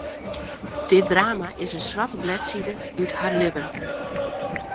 Dit drama is in swarte bledside út har libben.